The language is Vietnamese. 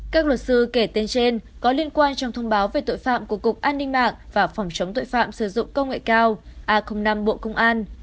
các luật sư kể tên trên có liên quan trong thông báo về tội phạm của cục an ninh mạng và phòng chống tội phạm sử dụng công nghệ cao a năm bộ công an